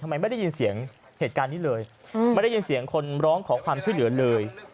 ไม่ได้ยินเสียงเหตุการณ์นี้เลยไม่ได้ยินเสียงคนร้องขอความช่วยเหลือเลย